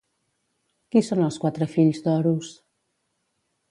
Qui són els quatre fills d'Horus?